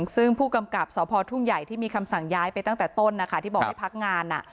ซึ่งผู้กำกับสพทุ่งใหญ่ที่มีคำสั่งย้ายไปตั้งแต่ต้นนะคะที่บอกให้พักงาน